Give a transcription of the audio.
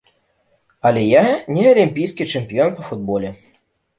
Але я не алімпійскі чэмпіён па футболе.